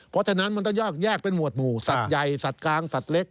เพราะฉะนั้นมันต้องแยกเป็นหวดหมู่สัตว์ใหญ่สัตว์กลางสัตว์เล็ก